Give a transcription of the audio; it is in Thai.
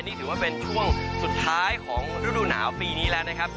นี่ถือว่าเป็นช่วงสุดท้ายของฤดูหนาวปีนี้แล้วนะครับ